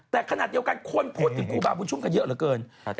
แต่ขนาดเดียวกันคนพูดถึงครูบาบุญชุมกันเยอะเหลือเกิน